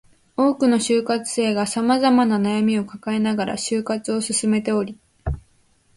多くの就活生が様々な悩みを抱えながら就活を進めており